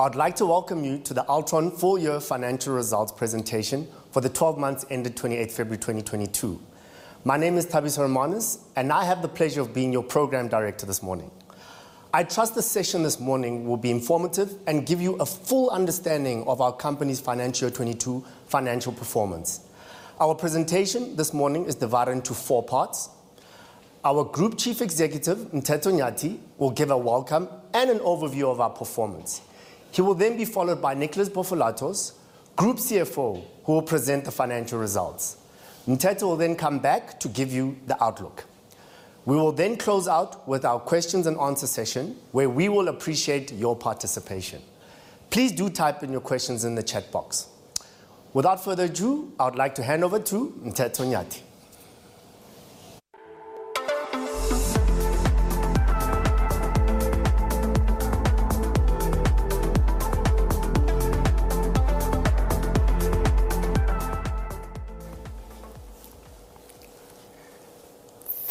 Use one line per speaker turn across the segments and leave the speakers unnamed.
I would like to welcome you to the Altron full year financial results presentation for the 12 months ended 28th February 2022. My name is Thabiso Hermanus, and I have the pleasure of being your program director this morning. I trust the session this morning will be informative and give you a full understanding of our company's FY2022 financial performance. Our presentation this morning is divided into four parts. Our Group Chief Executive, Mteto Nyati, will give a welcome and an overview of our performance. He will then be followed by Nicholas Bofilatos, Group CFO, who will present the financial results. Mteto will then come back to give you the outlook. We will then close out with our questions-and-answer session, where we will appreciate your participation. Please do type in your questions in the chat box. Without further ado, I would like to hand over to Mteto Nyati.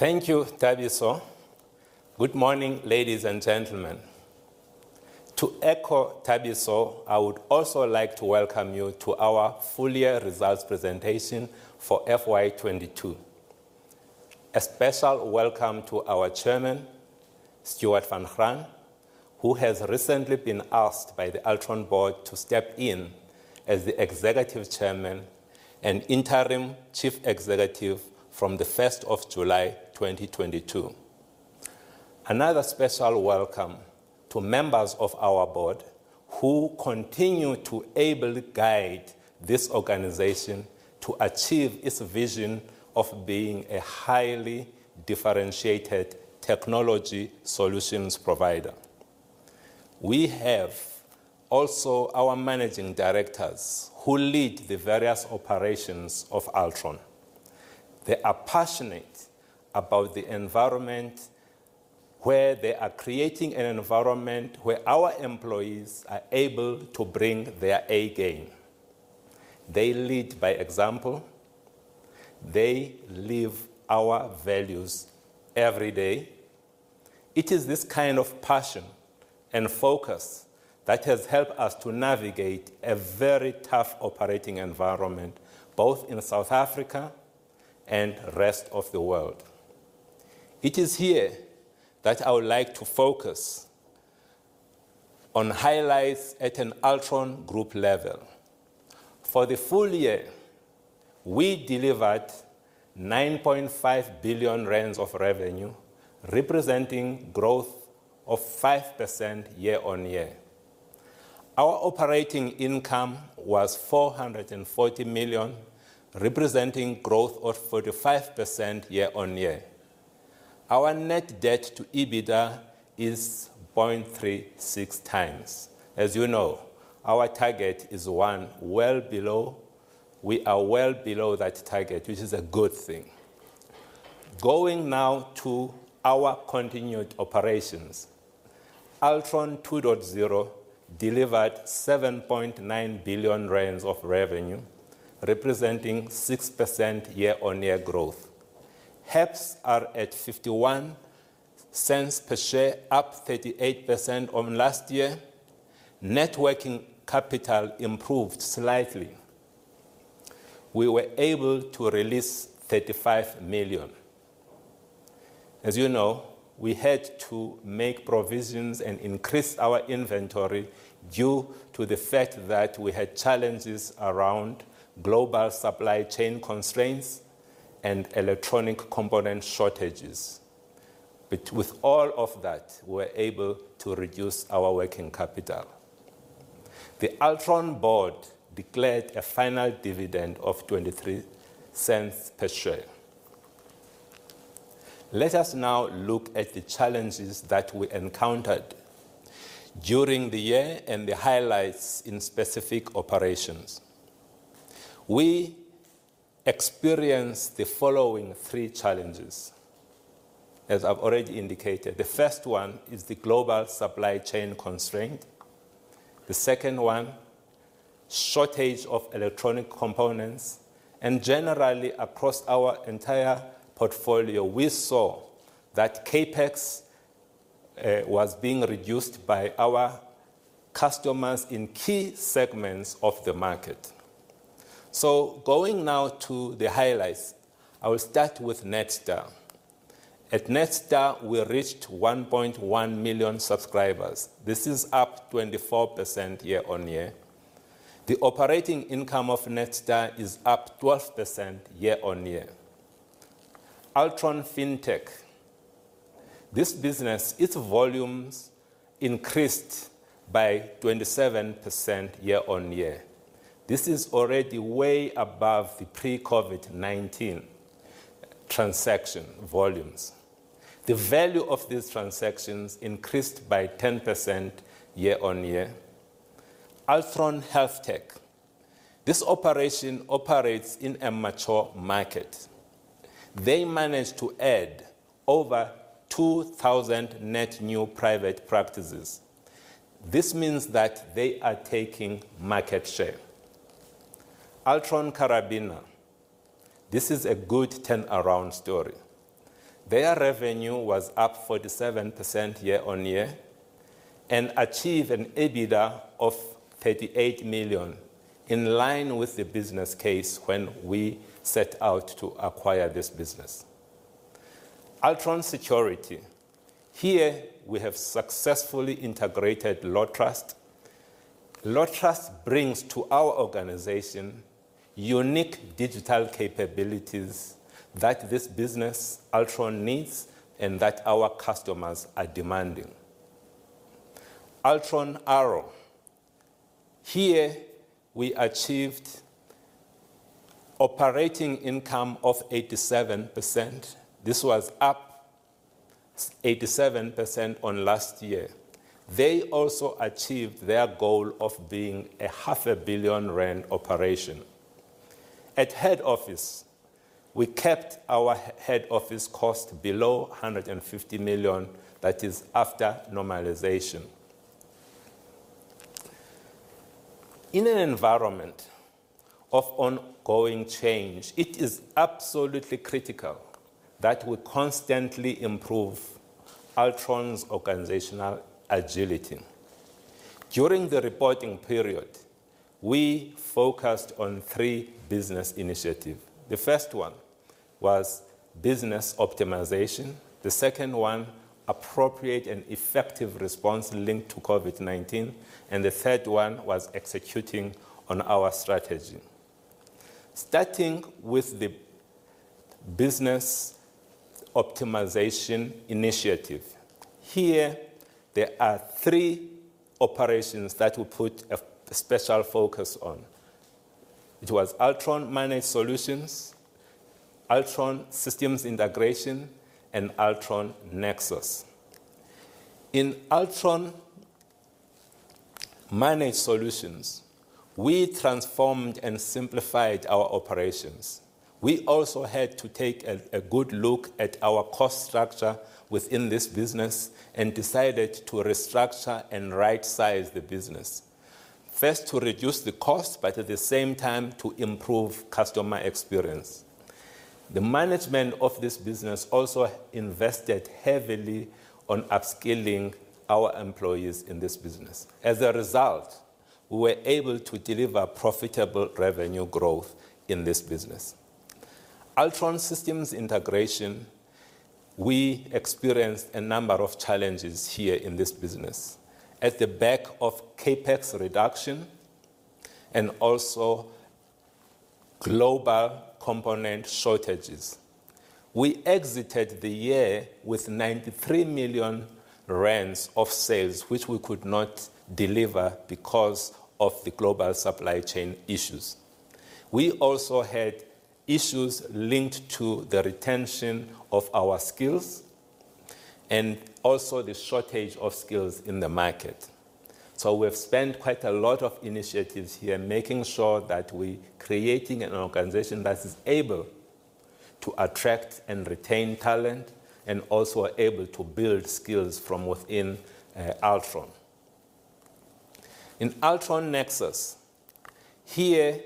Thank you, Thabiso. Good morning, ladies and gentlemen. To echo Thabiso, I would also like to welcome you to our full year results presentation for FY2022. A special welcome to our Chairman, Stewart van Graan, who has recently been asked by the Altron Board to step in as the Executive Chairman and Interim Chief Executive from July 1st, 2022. Another special welcome to members of our board who continue to ably guide this organization to achieve its vision of being a highly differentiated technology solutions provider. We have also our managing directors who lead the various operations of Altron. They are passionate about the environment, where they are creating an environment where our employees are able to bring their A game. They lead by example. They live our values every day. It is this kind of passion and focus that has helped us to navigate a very tough operating environment, both in South Africa and rest of the world. It is here that I would like to focus on highlights at an Altron group level. For the full year, we delivered 9.5 billion rand of revenue, representing growth of 5% year-on-year. Our operating income was 440 million, representing growth of 45% year-on-year. Our net debt to EBITDA is 0.36x. As you know, our target is one, well below. We are well below that target, which is a good thing. Going now to our continuing operations. Altron 2.0 delivered 7.9 billion rand of revenue, representing 6% year-on-year growth. HEPS are at 0.51 per share, up 38% on last year. Net working capital improved slightly. We were able to release 35 million. As you know, we had to make provisions and increase our inventory due to the fact that we had challenges around global supply chain constraints and electronic component shortages. With all of that, we were able to reduce our working capital. The Altron board declared a final dividend of 0.23 per share. Let us now look at the challenges that we encountered during the year and the highlights in specific operations. We experienced the following three challenges. As I've already indicated, the first one is the global supply chain constraint. The second one, shortage of electronic components. Generally, across our entire portfolio, we saw that CapEx was being reduced by our customers in key segments of the market. Going now to the highlights. I will start with Netstar. At Netstar, we reached 1.1 million subscribers. This is up 24% year-on-year. The operating income of Netstar is up 12% year-on-year. Altron FinTech. This business, its volumes increased by 27% year-on-year. This is already way above the pre-COVID-19 transaction volumes. The value of these transactions increased by 10% year-on-year. Altron HealthTech. This operation operates in a mature market. They managed to add over 2,000 net new private practices. This means that they are taking market share. Altron Karabina. This is a good turnaround story. Their revenue was up 47% year-on-year and achieved an EBITDA of 38 million, in line with the business case when we set out to acquire this business. Altron Security. Here, we have successfully integrated LAWtrust. LAWtrust brings to our organization unique digital capabilities that this business, Altron, needs and that our customers are demanding. Altron Arrow. Here, we achieved operating income of 87%. This was up eighty-seven percent on last year. They also achieved their goal of being a half a billion ZAR operation. At head office, we kept our head office cost below 150 million, that is after normalization. In an environment of ongoing change, it is absolutely critical that we constantly improve Altron's organizational agility. During the reporting period, we focused on three business initiative. The first one was business optimization, the second one, appropriate and effective response linked to COVID-19, and the third one was executing on our strategy. Starting with the business optimization initiative. Here, there are three operations that we put a special focus on. It was Altron Managed Solutions, Altron Systems Integration, and Altron Nexus. In Altron Managed Solutions, we transformed and simplified our operations. We also had to take a good look at our cost structure within this business and decided to restructure and rightsize the business. First, to reduce the cost, but at the same time to improve customer experience. The management of this business also invested heavily on upskilling our employees in this business. As a result, we were able to deliver profitable revenue growth in this business. Altron Systems Integration, we experienced a number of challenges here in this business at the back of CapEx reduction and also global component shortages. We exited the year with 93 million rand of sales, which we could not deliver because of the global supply chain issues. We also had issues linked to the retention of our skills and also the shortage of skills in the market. We've spent quite a lot of initiatives here making sure that we're creating an organization that is able to attract and retain talent, and also are able to build skills from within Altron. In Altron Nexus, here,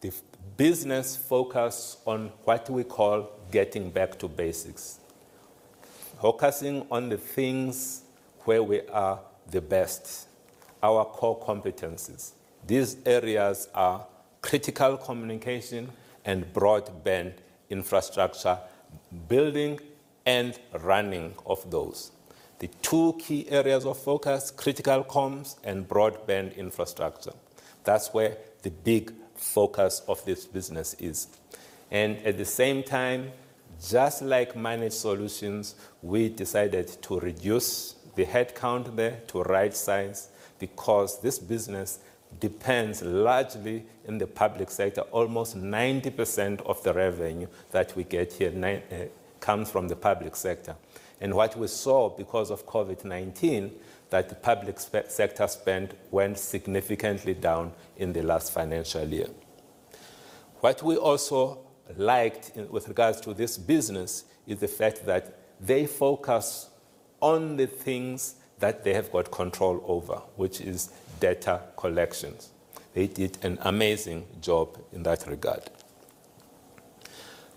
the business focus on what we call getting back to basics. Focusing on the things where we are the best, our core competencies. These areas are critical communication and broadband infrastructure, building and running of those. The two key areas of focus, critical comms and broadband infrastructure. That's where the big focus of this business is. At the same time, just like Managed Solutions, we decided to reduce the headcount there to rightsize because this business depends largely on the public sector. Almost 90% of the revenue that we get here comes from the public sector. What we saw because of COVID-19, that public sector spend went significantly down in the last financial year. What we also liked with regards to this business, is the fact that they focus on the things that they have got control over, which is data collections. They did an amazing job in that regard.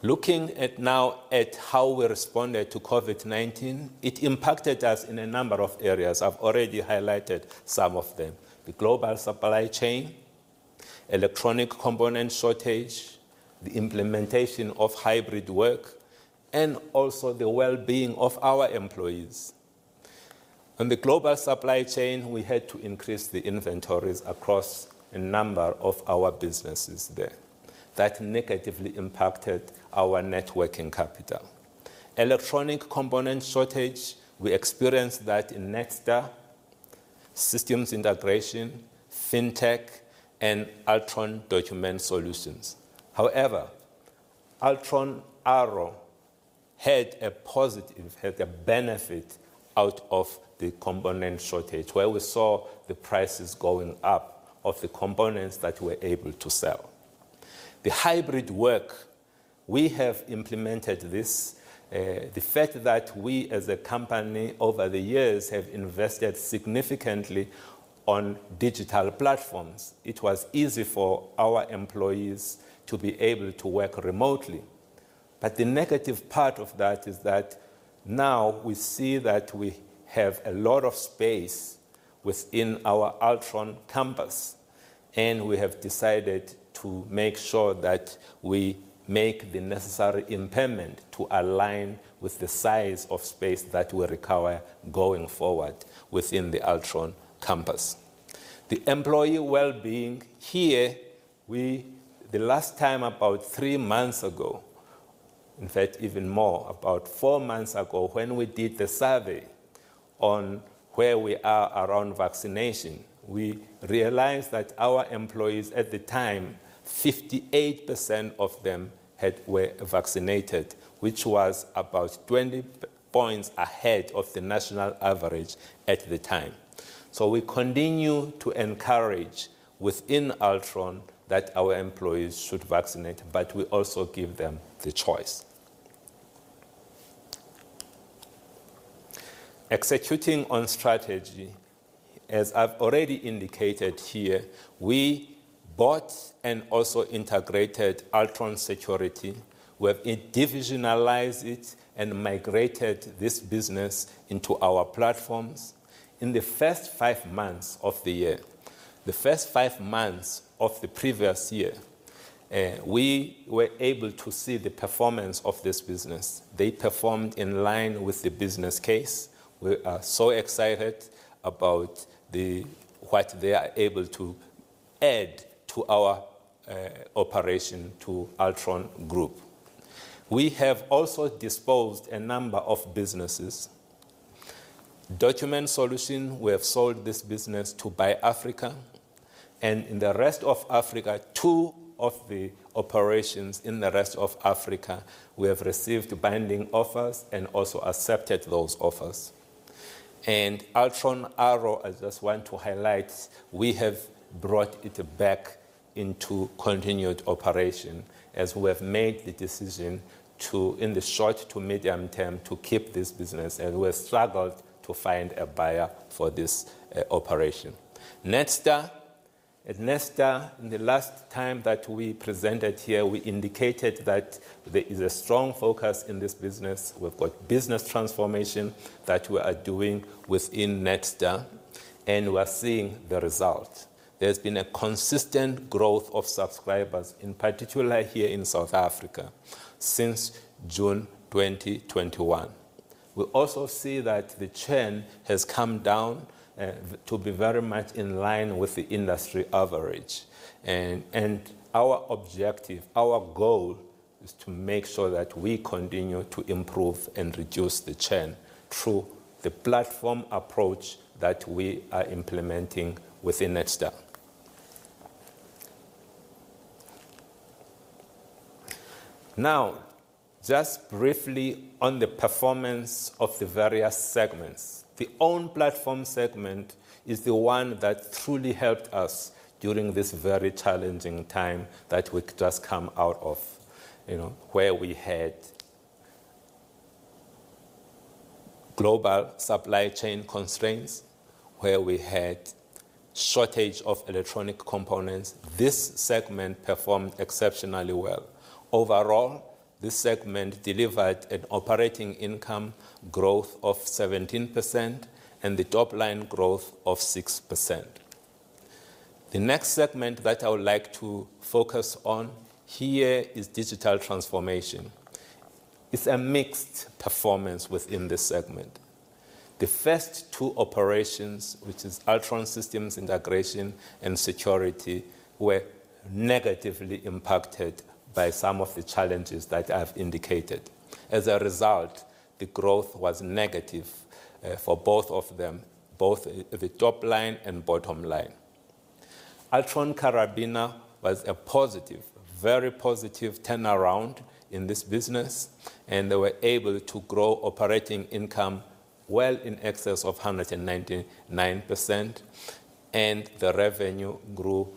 Looking now at how we responded to COVID-19, it impacted us in a number of areas. I've already highlighted some of them. The global supply chain, electronic component shortage, the implementation of hybrid work, and also the well-being of our employees. On the global supply chain, we had to increase the inventories across a number of our businesses there. That negatively impacted our working capital. Electronic component shortage, we experienced that in Nexus, Systems Integration, FinTech, and Altron Document Solutions. However, Altron Arrow had a positive, had a benefit out of the component shortage, where we saw the prices going up of the components that we're able to sell. The hybrid work. We have implemented this, the fact that we as a company over the years have invested significantly on digital platforms, it was easy for our employees to be able to work remotely. But the negative part of that is that now we see that we have a lot of space within our Altron campus, and we have decided to make sure that we make the necessary impairment to align with the size of space that we'll require going forward within the Altron campus. The employee well-being. The last time about three months ago, in fact, even more, about four months ago, when we did the survey on where we are around vaccination, we realized that our employees at the time, 58% of them were vaccinated, which was about 20 points ahead of the national average at the time. We continue to encourage within Altron that our employees should vaccinate, but we also give them the choice. Executing on strategy. As I've already indicated here, we bought and also integrated Altron Security. We have divisionalized it and migrated this business into our platforms. In the first five months of the year, the first five months of the previous year, we were able to see the performance of this business. They performed in line with the business case. We are so excited about what they are able to add to our operation to Altron Group. We have also disposed of a number of businesses. Document Solutions, we have sold this business to Bi-Africa. In the rest of Africa, two of the operations in the rest of Africa, we have received binding offers and also accepted those offers. Altron Arrow, I just want to highlight, we have brought it back into continued operation as we have made the decision to, in the short to medium term, to keep this business, and we've struggled to find a buyer for this operation. Nexus. At Nexus, in the last time that we presented here, we indicated that there is a strong focus in this business. We've got business transformation that we are doing within Nexus, and we are seeing the results. There's been a consistent growth of subscribers, in particular here in South Africa since June 2021. We also see that the churn has come down to be very much in line with the industry average. Our objective, our goal is to make sure that we continue to improve and reduce the churn through the platform approach that we are implementing within Nexus. Now, just briefly on the performance of the various segments. The Own Platforms segment is the one that truly helped us during this very challenging time that we've just come out of, you know, where we had global supply chain constraints, where we had shortage of electronic components. This segment performed exceptionally well. Overall, this segment delivered an operating income growth of 17% and the top-line growth of 6%. The next segment that I would like to focus on here is Digital Transformation. It's a mixed performance within this segment. The first two operations, which is Altron Systems Integration and Altron Security, were negatively impacted by some of the challenges that I've indicated. As a result, the growth was negative for both of them, both the top line and bottom line. Altron Karabina was a positive, very positive turnaround in this business, and they were able to grow operating income well in excess of 199%, and the revenue grew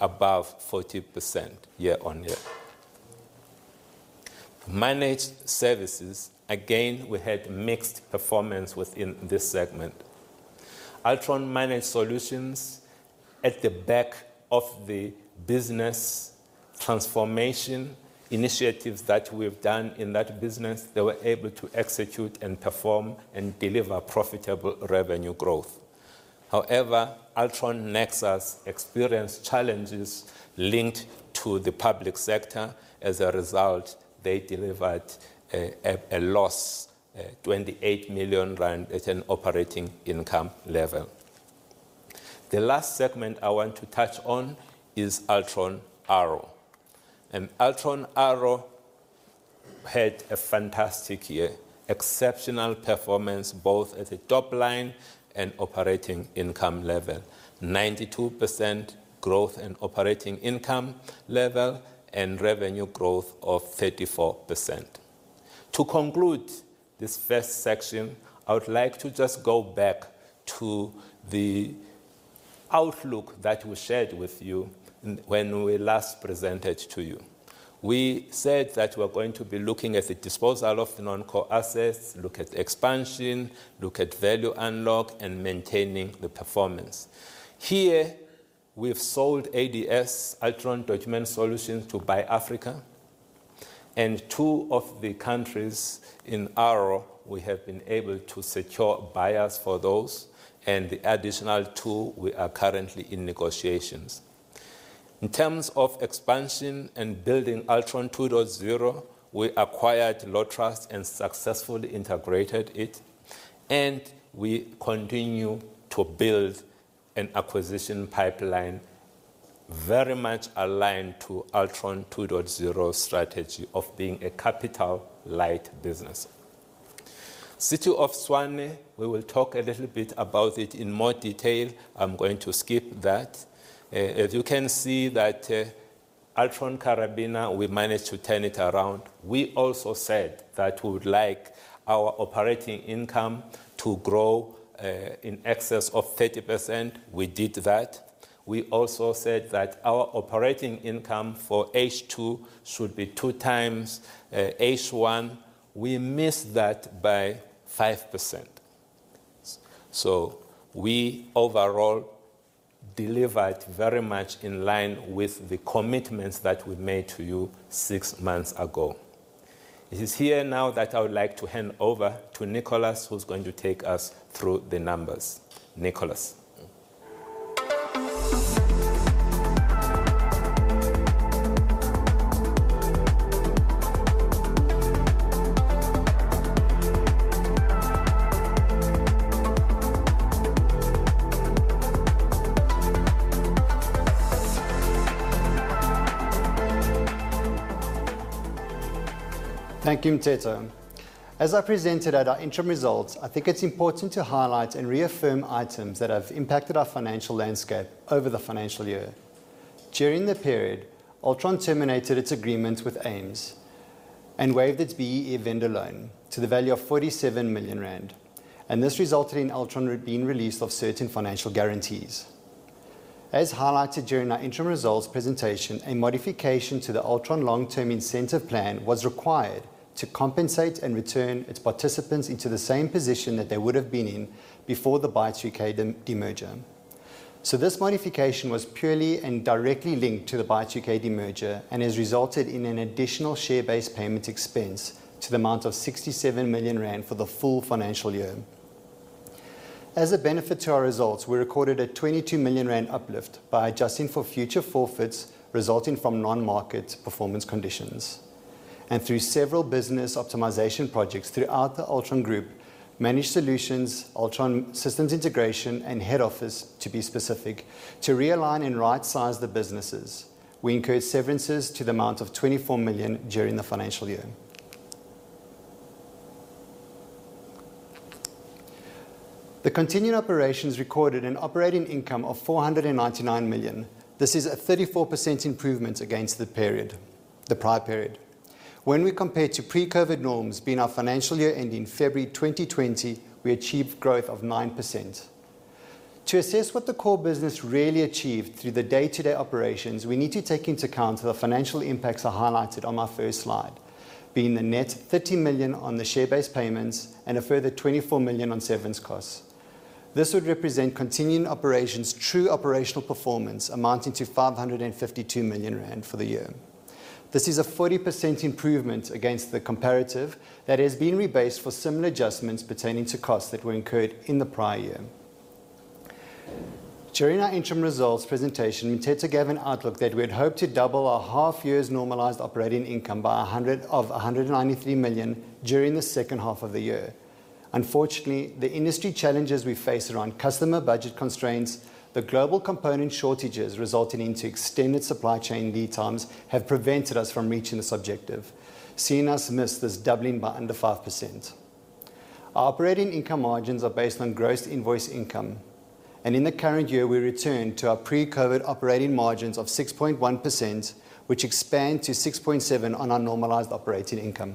above 40% year-on-year. Managed Services. Again, we had mixed performance within this segment. Altron Managed Solutions, on the back of the business transformation initiatives that we've done in that business, they were able to execute and perform and deliver profitable revenue growth. However, Altron Nexus experienced challenges linked to the public sector. As a result, they delivered a loss, 28 million rand at an operating income level. The last segment I want to touch on is Altron Arrow. Altron Arrow had a fantastic year. Exceptional performance both at the top line and operating income level. 92% growth in operating income level and revenue growth of 34%. To conclude this first section, I would like to just go back to the outlook that we shared with you when we last presented to you. We said that we're going to be looking at the disposal of non-core assets, look at expansion, look at value unlock, and maintaining the performance. Here we have sold ADS, Altron Document Solutions, to Bi-Africa, and two of the countries in Arrow, we have been able to secure buyers for those, and the additional two we are currently in negotiations. In terms of expansion and building Altron 2.0, we acquired LAWtrust and successfully integrated it, and we continue to build an acquisition pipeline very much aligned to Altron 2.0 strategy of being a capital light business. City of Tshwane, we will talk a little bit about it in more detail. I'm going to skip that. As you can see, Altron Karabina, we managed to turn it around. We also said that we would like our operating income to grow in excess of 30%. We did that. We also said that our operating income for H2 should be 2x H1. We missed that by 5%. We overall delivered very much in line with the commitments that we made to you six months ago. It is here now that I would like to hand over to Nicholas, who's going to take us through the numbers. Nicholas.
Thank you, Mteto. As I presented at our interim results, I think it's important to highlight and reaffirm items that have impacted our financial landscape over the financial year. During the period, Altron terminated its agreement with AIMS and waived its BEE vendor loan to the value of 47 million rand, and this resulted in Altron being released of certain financial guarantees. As highlighted during our interim results presentation, a modification to the Altron Long Term Incentive Plan was required to compensate and return its participants into the same position that they would have been in before the Bytes U.K. demerger. This modification was purely and directly linked to the Bytes U.K. demerger and has resulted in an additional share-based payment expense to the amount of 67 million rand for the full financial year. As a benefit to our results, we recorded a 22 million rand uplift by adjusting for future forfeits resulting from non-market performance conditions. Through several business optimization projects throughout the Altron Group, Managed Solutions, Altron Systems Integration, and Head Office to be specific, to realign and right-size the businesses. We incurred severances to the amount of 24 million during the financial year. The continuing operations recorded an operating income of 499 million. This is a 34% improvement against the period, the prior period. When we compare to pre-COVID norms, being our financial year ending February 2020, we achieved growth of 9%. To assess what the core business really achieved through the day-to-day operations, we need to take into account the financial impacts I highlighted on my first slide. Being the net 30 million on the share-based payments and a further 24 million on severance costs. This would represent continuing operations' true operational performance amounting to 552 million rand for the year. This is a 40% improvement against the comparative that has been rebased for similar adjustments pertaining to costs that were incurred in the prior year. During our interim results presentation, Mteto gave an outlook that we had hoped to double our half year's normalized operating income of 193 million during the second half of the year. Unfortunately, the industry challenges we face around customer budget constraints, the global component shortages resulting into extended supply chain lead times have prevented us from reaching this objective, seeing us miss this doubling by under 5%. Our operating income margins are based on gross invoice income, and in the current year, we returned to our pre-COVID operating margins of 6.1%, which expand to 6.7% on our normalized operating income.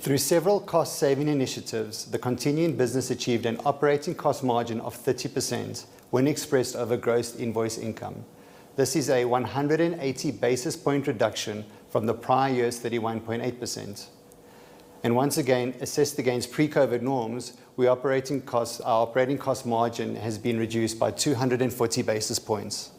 Through several cost-saving initiatives, the continuing business achieved an operating cost margin of 30% when expressed over gross invoice income. This is a 180 basis point reduction from the prior year's 31.8%. Once again, assessed against pre-COVID norms, our operating cost margin has been reduced by 240 basis points.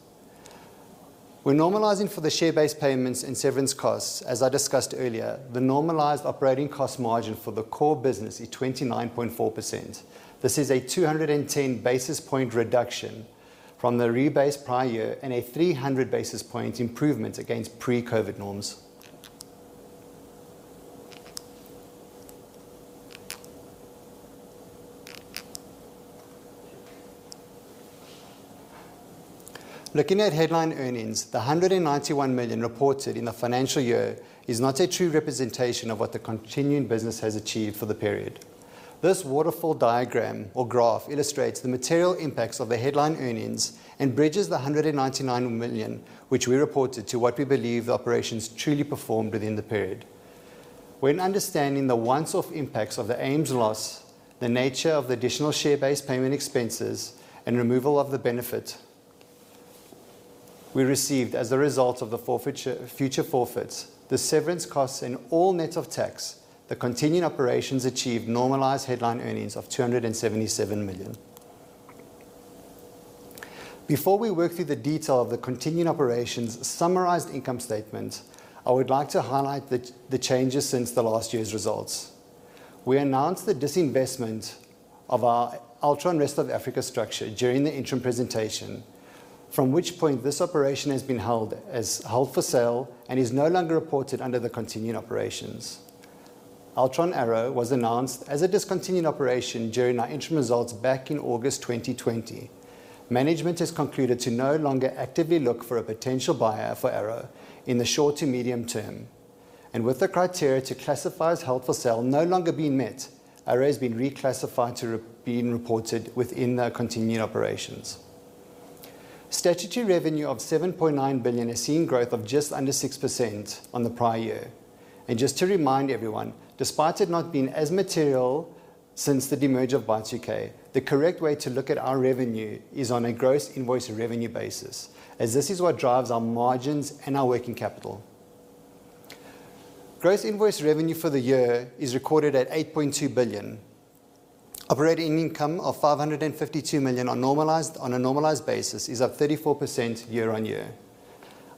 When normalizing for the share-based payments and severance costs, as I discussed earlier, the normalized operating cost margin for the core business is 29.4%. This is a 210 basis point reduction from the rebased prior year and a 300 basis point improvement against pre-COVID norms. Looking at headline earnings, the 191 million reported in the financial year is not a true representation of what the continuing business has achieved for the period. This waterfall diagram or graph illustrates the material impacts of the headline earnings and bridges the 199 million, which we reported to what we believe the operations truly performed within the period. When understanding the one-off impacts of the AIMS's loss, the nature of the additional share-based payment expenses, and removal of the benefit we received as a result of the forfeiture of future forfeits, the severance costs, and all net of tax, the continuing operations achieved normalized headline earnings of 277 million. Before we work through the detail of the continuing operations' summarized income statement, I would like to highlight the changes since the last year's results. We announced the disinvestment of our Altron Rest of Africa structure during the interim presentation, from which point this operation has been held as held for sale and is no longer reported under the continuing operations. Altron Arrow was announced as a discontinued operation during our interim results back in August 2020. Management has concluded to no longer actively look for a potential buyer for Arrow in the short to medium term. With the criteria to classify as held for sale no longer being met, Arrow has been reclassified to being reported within our continuing operations. Statutory revenue of 7.9 billion has seen growth of just under 6% on the prior year. Just to remind everyone, despite it not being as material since the demerger of Bytes U.K., the correct way to look at our revenue is on a gross invoice revenue basis, as this is what drives our margins and our working capital. Gross invoice revenue for the year is recorded at 8.2 billion. Operating income of 552 million on a normalized basis is up 34% year-on-year.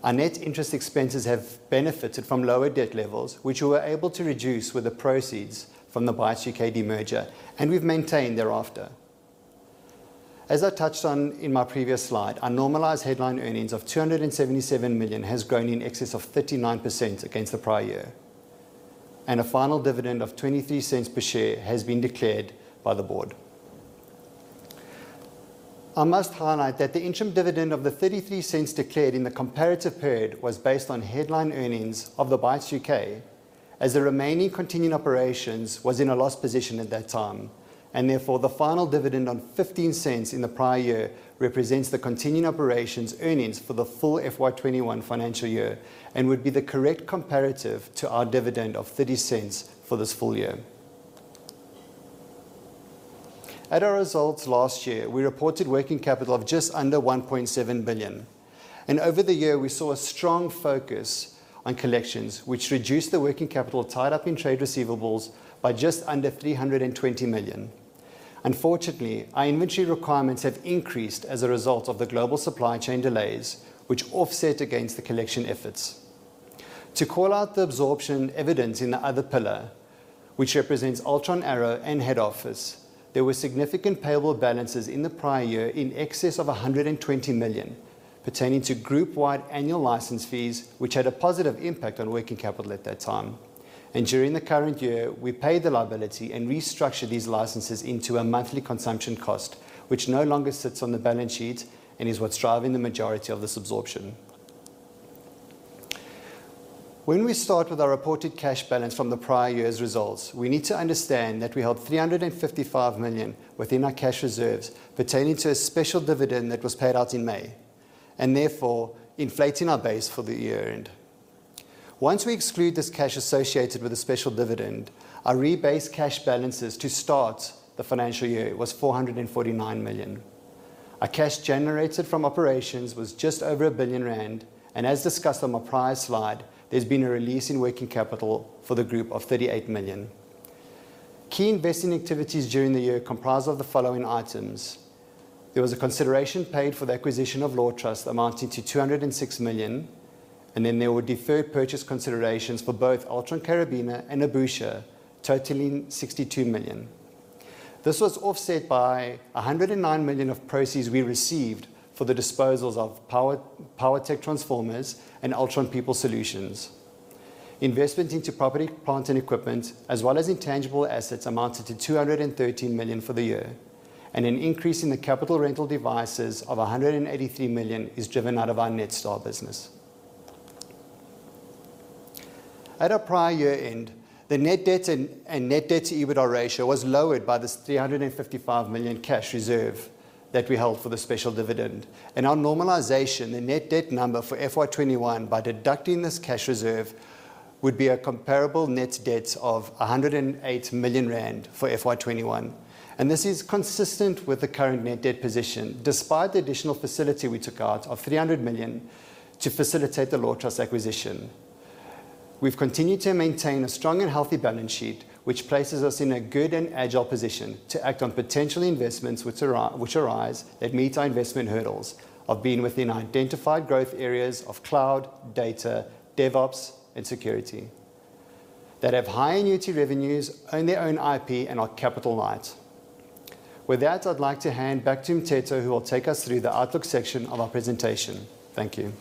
Our net interest expenses have benefited from lower debt levels, which we were able to reduce with the proceeds from the Bytes U.K. demerger, and we've maintained thereafter. As I touched on in my previous slide, our normalized headline earnings of 277 million has grown in excess of 39% against the prior year, and a final dividend of 0.23 per share has been declared by the board. I must highlight that the interim dividend of 0.33 declared in the comparative period was based on headline earnings of the Bytes U.K., as the remaining continuing operations was in a loss position at that time, and therefore the final dividend on 0.15 in the prior year represents the continuing operations' earnings for the full FY2021 financial year, and would be the correct comparative to our dividend of 0.30 for this full year. At our results last year, we reported working capital of just under 1.7 billion. Over the year, we saw a strong focus on collections, which reduced the working capital tied up in trade receivables by just under 320 million. Unfortunately, our inventory requirements have increased as a result of the global supply chain delays, which offset against the collection efforts. To call out the absorption evidenced in the other pillar, which represents Altron Arrow and head office, there were significant payable balances in the prior year in excess of 120 million pertaining to group-wide annual license fees, which had a positive impact on working capital at that time. During the current year, we paid the liability and restructured these licenses into a monthly consumption cost, which no longer sits on the balance sheet and is what's driving the majority of this absorption. When we start with our reported cash balance from the prior year's results, we need to understand that we held 355 million within our cash reserves pertaining to a special dividend that was paid out in May, and therefore inflating our base for the year end. Once we exclude this cash associated with the special dividend, our rebased cash balances to start the financial year was 449 million. Our cash generated from operations was just over 1 billion rand, and as discussed on my prior slide, there's been a release in working capital for the group of 38 million. Key investing activities during the year comprise of the following items. There was a consideration paid for the acquisition of LAWtrust amounting to 206 million, and then there were deferred purchase considerations for both Altron Karabina and Ubusha, totaling 62 million. This was offset by 109 million of proceeds we received for the disposals of Powertech Transformers and Altron People Solutions. Investment into property, plant, and equipment, as well as intangible assets amounted to 213 million for the year, and an increase in the capital rental devices of 183 million is driven out of our Netstar business. At our prior year end, the net debt and net debt to EBITDA ratio was lowered by this 355 million cash reserve that we held for the special dividend. On normalization, the net debt number for FY2021 by deducting this cash reserve would be a comparable net debt of 108 million rand for FY2021. This is consistent with the current net debt position, despite the additional facility we took out of 300 million to facilitate the LAWtrust acquisition. We've continued to maintain a strong and healthy balance sheet, which places us in a good and agile position to act on potential investments which arise that meet our investment hurdles of being within identified growth areas of cloud, data, DevOps, and security, that have high annuity revenues, own their own IP, and are capital light. With that, I'd like to hand back to Mteto, who will take us through the outlook section of our presentation. Thank you.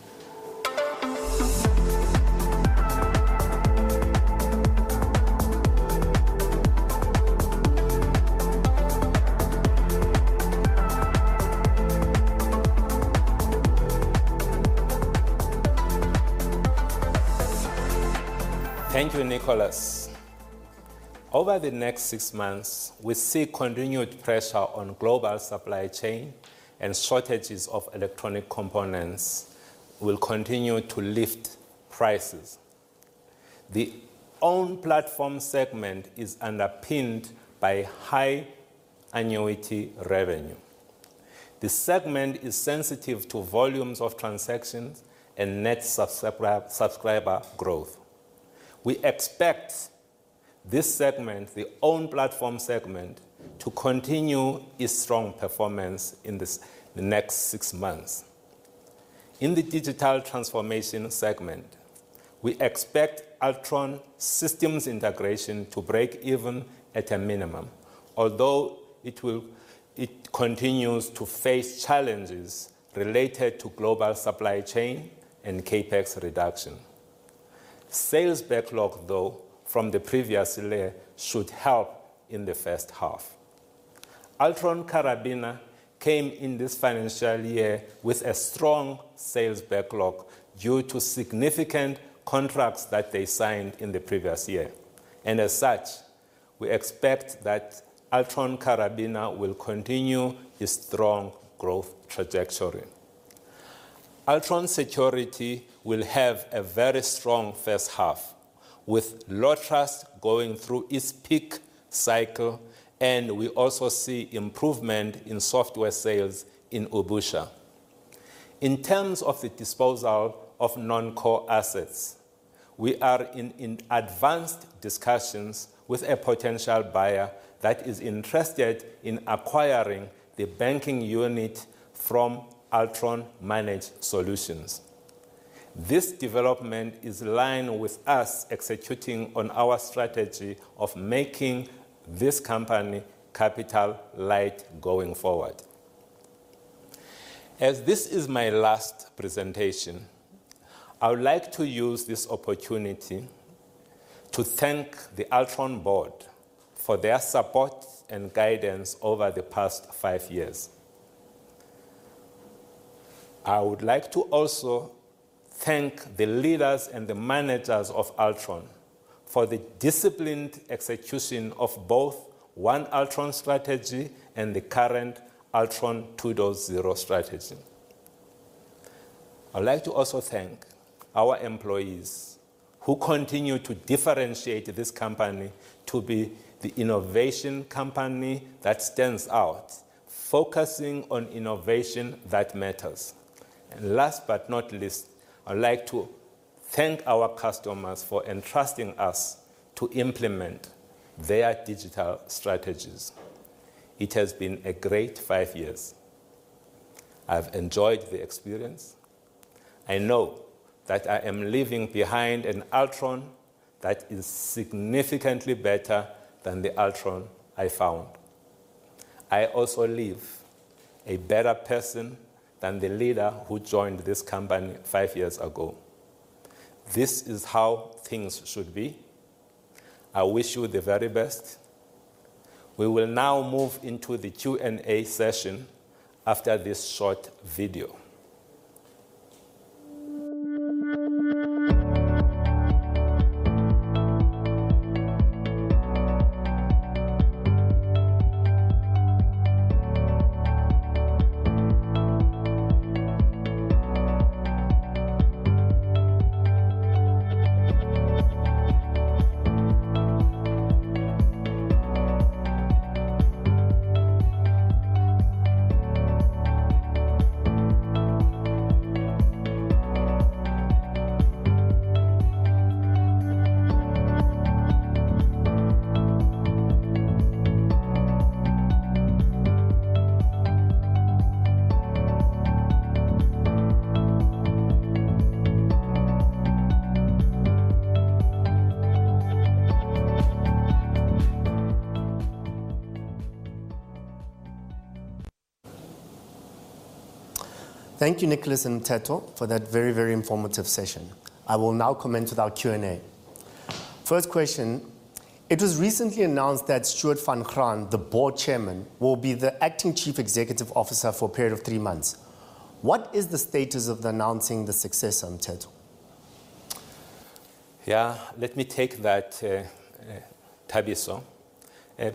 Thank you, Nicholas. Over the next six months, we see continued pressure on global supply chain and shortages of electronic components will continue to lift prices. The Own Platforms segment is underpinned by high annuity revenue. The segment is sensitive to volumes of transactions and net subscriber growth. We expect this segment, the Own Platforms segment, to continue its strong performance in the next six months. In the Digital Transformation segment, we expect Altron Systems Integration to break even at a minimum, although it continues to face challenges related to global supply chain and CapEx reduction. Sales backlog, though, from the previous year should help in the first half. Altron Karabina came in this financial year with a strong sales backlog due to significant contracts that they signed in the previous year. As such, we expect that Altron Karabina will continue its strong growth trajectory. Altron Security will have a very strong first half, with LAWtrust going through its peak cycle, and we also see improvement in software sales in Ubusha. In terms of the disposal of non-core assets, we are in advanced discussions with a potential buyer that is interested in acquiring the banking unit from Altron Managed Solutions. This development is in line with us executing on our strategy of making this company capital light going forward. As this is my last presentation, I would like to use this opportunity to thank the Altron board for their support and guidance over the past five years. I would like to also thank the leaders and the managers of Altron for the disciplined execution of both One Altron strategy and the current Altron 2.0 strategy. I'd like to also thank our employees who continue to differentiate this company to be the innovation company that stands out, focusing on innovation that matters. Last but not least, I'd like to thank our customers for entrusting us to implement their digital strategies. It has been a great five years. I've enjoyed the experience. I know that I am leaving behind an Altron that is significantly better than the Altron I found. I also leave a better person than the leader who joined this company five years ago. This is how things should be. I wish you the very best. We will now move into the Q&A session after this short video.
Thank you, Nicholas and Mteto, for that very, very informative session. I will now commence with our Q&A. First question: It was recently announced that Stewart van Graan, the board chairman, will be the acting chief executive officer for a period of three months. What is the status of announcing the successor, Mteto?
Yeah, let me take that, Thabiso.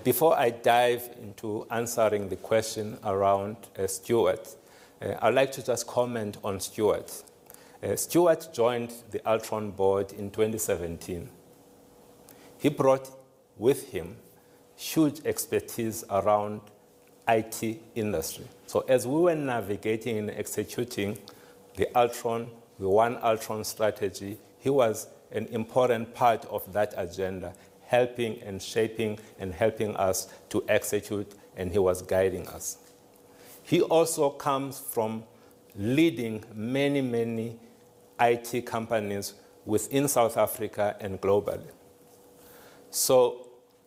Before I dive into answering the question around Stewart, I'd like to just comment on Stewart. Stewart joined the Altron board in 2017. He brought with him huge expertise around IT industry. As we were navigating and executing the One Altron strategy, he was an important part of that agenda, helping and shaping us to execute, and he was guiding us. He also comes from leading many, many IT companies within South Africa and globally.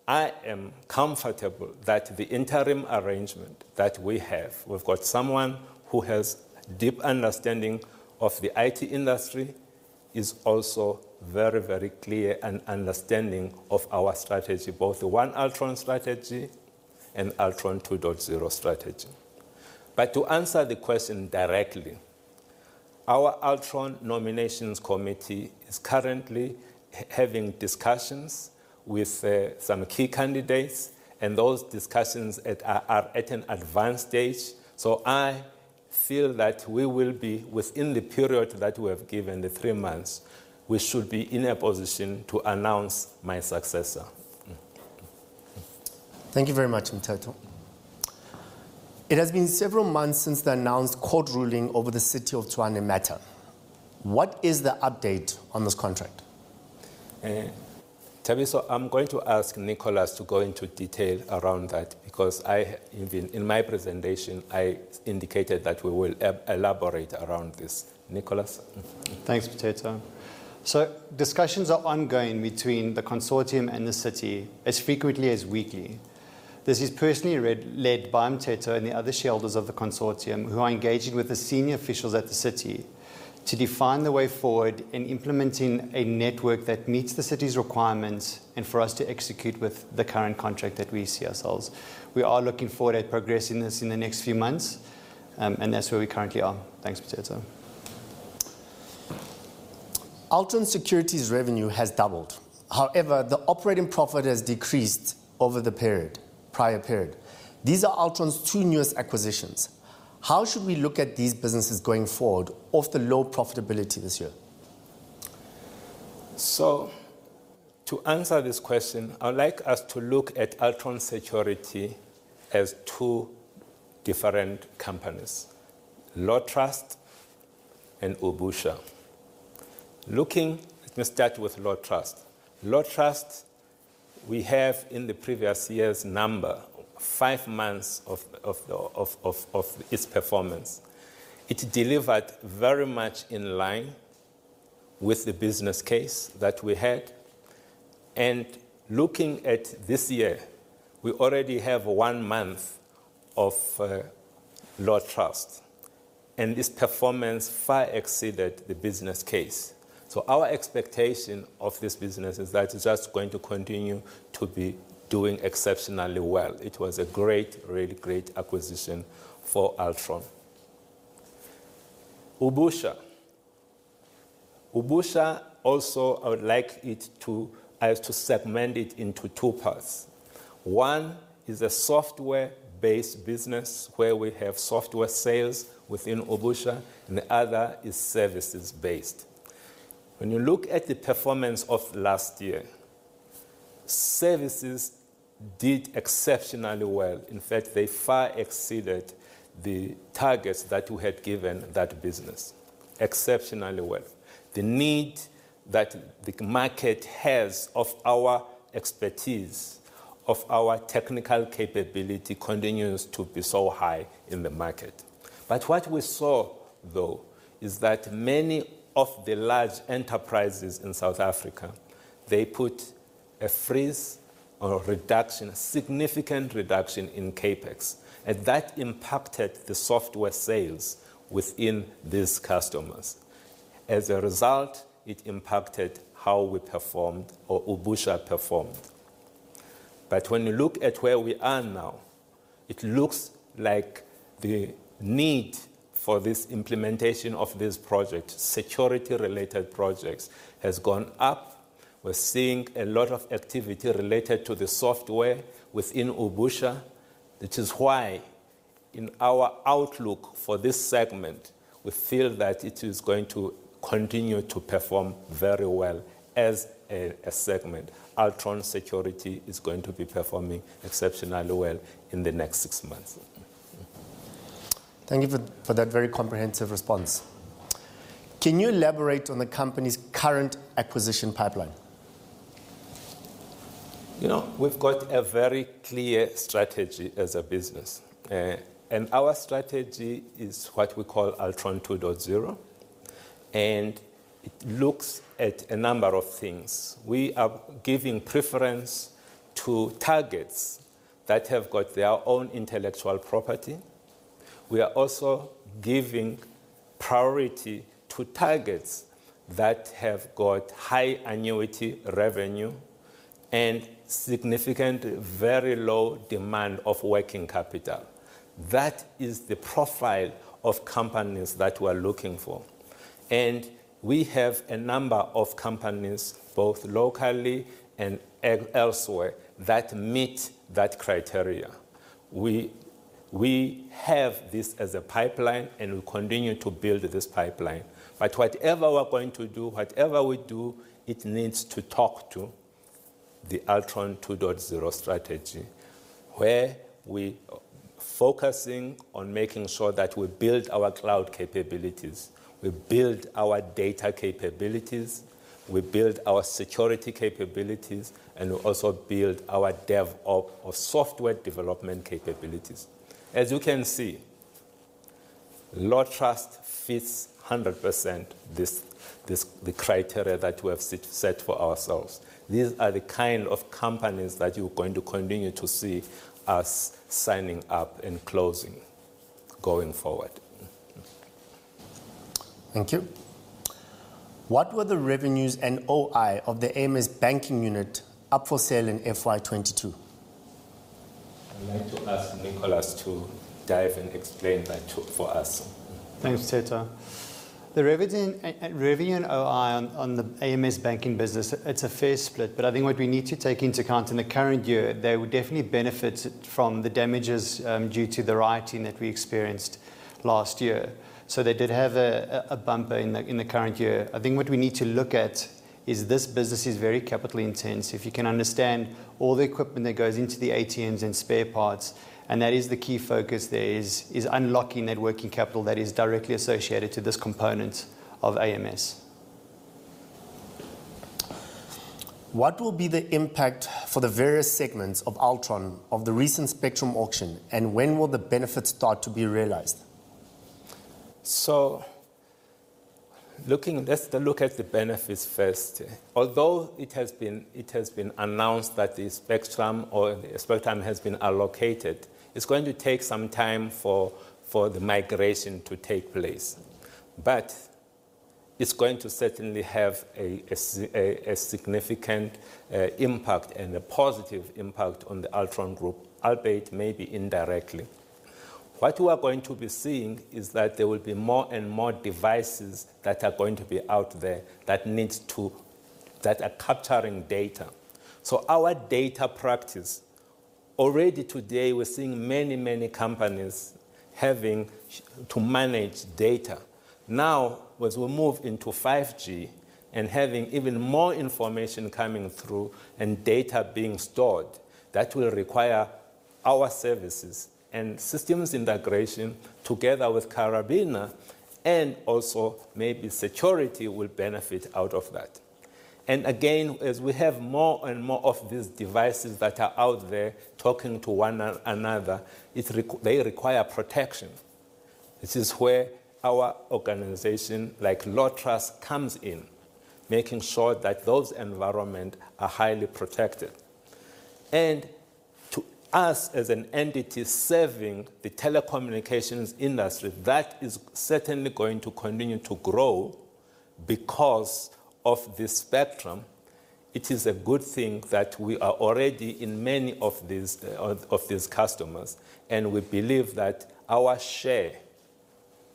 I am comfortable that the interim arrangement that we have, we've got someone who has deep understanding of the IT industry. He's also very, very clear and understanding of our strategy, both One Altron strategy and Altron 2.0 strategy. To answer the question directly. Our Altron Nominations Committee is currently having discussions with some key candidates, and those discussions are at an advanced stage. I feel that we will be within the period that we have given, the three months, we should be in a position to announce my successor.
Thank you very much, Mteto. It has been several months since the announced court ruling over the City of Tshwane matter. What is the update on this contract?
Thabiso, I'm going to ask Nicholas to go into detail around that because I, even in my presentation, I indicated that we will elaborate around this. Nicholas?
Thanks, Mteto. Discussions are ongoing between the consortium and the city as frequently as weekly. This is personally led by Mteto and the other shareholders of the consortium who are engaging with the senior officials at the city to define the way forward in implementing a network that meets the city's requirements and for us to execute with the current contract that we see ourselves. We are looking forward at progress in this in the next few months, and that's where we currently are. Thanks, Mteto.
Altron Security's revenue has doubled. However, the operating profit has decreased over the period, prior period. These are Altron's two newest acquisitions. How should we look at these businesses going forward after low profitability this year?
To answer this question, I would like us to look at Altron Security as two different companies, LAWtrust and Ubusha. Let me start with LAWtrust. LAWtrust, we have in the previous year's number, five months of its performance. It delivered very much in line with the business case that we had. Looking at this year, we already have one month of LAWtrust, and this performance far exceeded the business case. Our expectation of this business is that it's just going to continue to be doing exceptionally well. It was a great, really great acquisition for Altron. Ubusha also, I have to segment it into two parts. One is a software-based business where we have software sales within Ubusha, and the other is services-based. When you look at the performance of last year, services did exceptionally well. In fact, they far exceeded the targets that we had given that business. Exceptionally well. The need that the market has of our expertise, of our technical capability continues to be so high in the market. What we saw, though, is that many of the large enterprises in South Africa, they put a freeze or a reduction, a significant reduction in CapEx, and that impacted the software sales within these customers. As a result, it impacted how we performed or Ubusha performed. When you look at where we are now, it looks like the need for this implementation of this project, security-related projects, has gone up. We're seeing a lot of activity related to the software within Ubusha. Which is why in our outlook for this segment, we feel that it is going to continue to perform very well as a segment. Altron Security is going to be performing exceptionally well in the next six months.
Thank you for that very comprehensive response. Can you elaborate on the company's current acquisition pipeline?
You know, we've got a very clear strategy as a business. Our strategy is what we call Altron 2.0, and it looks at a number of things. We are giving preference to targets that have got their own intellectual property. We are also giving priority to targets that have got high annuity revenue and significant, very low demand of working capital. That is the profile of companies that we're looking for. We have a number of companies, both locally and elsewhere, that meet that criteria. We have this as a pipeline, and we'll continue to build this pipeline. Whatever we're going to do, whatever we do, it needs to talk to the Altron 2.0 strategy, where we are focusing on making sure that we build our cloud capabilities, we build our data capabilities, we build our security capabilities, and we also build our DevOps or software development capabilities. As you can see, LAWtrust fits 100% this, the criteria that we have set for ourselves. These are the kind of companies that you're going to continue to see us signing up and closing going forward.
Thank you. What were the revenues and OI of the AMS banking unit up for sale in FY2022? I'd like to ask Nicholas to dive and explain that to, for us.
Thanks, Mteto. The revenue and OI on the AMS banking business, it's a fair split. I think what we need to take into account in the current year, they will definitely benefit from the damages due to the rioting that we experienced last year. They did have a bumper in the current year. I think what we need to look at is this business is very capital intensive. If you can understand all the equipment that goes into the ATMs and spare parts, and that is the key focus there is unlocking that working capital that is directly associated to this component of AMS.
What will be the impact for the various segments of Altron of the recent spectrum auction, and when will the benefits start to be realized?
Let's look at the benefits first. Although it has been announced that the spectrum has been allocated, it's going to take some time for the migration to take place. But it's going to certainly have a significant impact and a positive impact on the Altron group, albeit maybe indirectly. What we are going to be seeing is that there will be more and more devices that are going to be out there that are capturing data. Our data practice, already today we're seeing many companies having to manage data. Now, as we move into 5G and having even more information coming through and data being stored, that will require our services and Systems Integration together with Karabina and also maybe Security will benefit out of that. Again, as we have more and more of these devices that are out there talking to one another, they require protection. This is where our organization like LAWtrust comes in, making sure that those environments are highly protected. To us as an entity serving the telecommunications industry, that is certainly going to continue to grow because of this spectrum. It is a good thing that we are already in many of these customers, and we believe that our share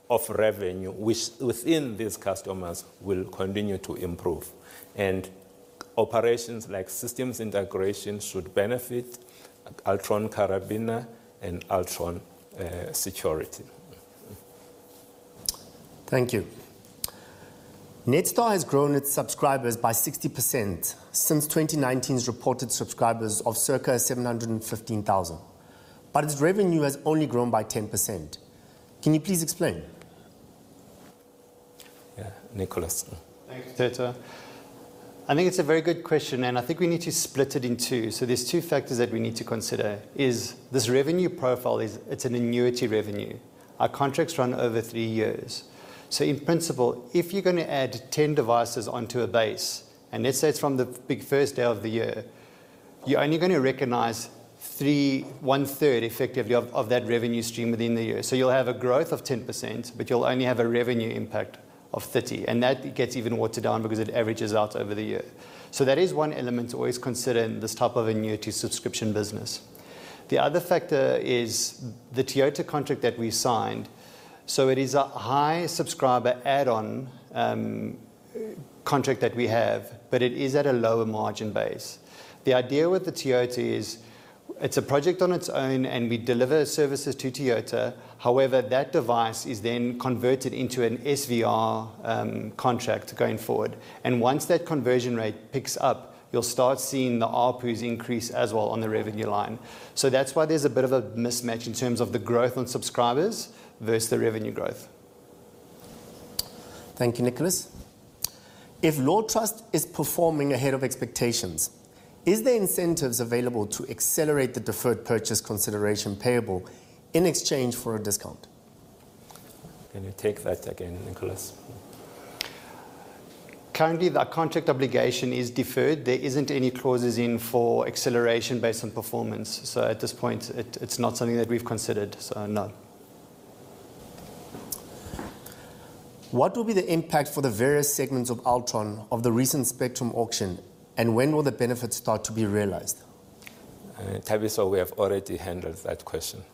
of revenue within these customers will continue to improve. Operations like systems integration should benefit Altron Karabina and Altron Security.
Thank you. Netstar has grown its subscribers by 60% since 2019's reported subscribers of circa 715,000, but its revenue has only grown by 10%. Can you please explain?
Yeah. Nicholas.
Thanks, Mteto. I think it's a very good question, and I think we need to split it in two. There's two factors that we need to consider is this revenue profile is it's an annuity revenue. Our contracts run over three years. In principle, if you're gonna add 10 devices onto a base, and let's say it's from the very first day of the year, you're only gonna recognize one third effectively of that revenue stream within the year. You'll have a growth of 10%, but you'll only have a revenue impact of 3.3, and that gets even watered down because it averages out over the year. That is one element to always consider in this type of annuity subscription business. The other factor is the Toyota contract that we signed. It is a high subscriber add-on contract that we have, but it is at a lower margin base. The idea with the Toyota is it's a project on its own, and we deliver services to Toyota. However, that device is then converted into an SVR contract going forward. Once that conversion rate picks up, you'll start seeing the ARPU's increase as well on the revenue line. That's why there's a bit of a mismatch in terms of the growth on subscribers versus the revenue growth.
Thank you, Nicholas. If LAWtrust is performing ahead of expectations, is there incentives available to accelerate the deferred purchase consideration payable in exchange for a discount?
Can you take that again, Nicholas?
Currently, that contract obligation is deferred. There isn't any clauses in for acceleration based on performance, so at this point it's not something that we've considered, so no.
What will be the impact for the various segments of Altron of the recent spectrum auction, and when will the benefits start to be realized?
Thabiso, we have already handled that question.